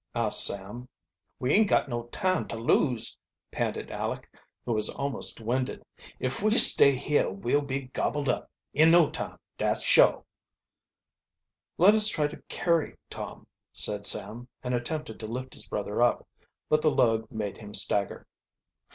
asked Sam. "We ain't got no time ter lose!" panted Aleck, who was almost winded. "If we stay here we'll be gobbled up in no time, dat's shuah!" "Let us try to carry Tom," said Sam, and attempted to lift his brother up. But the load made him stagger.